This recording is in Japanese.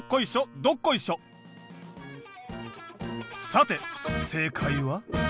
さて正解は？